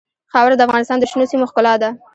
خاوره د افغانستان د شنو سیمو ښکلا ده.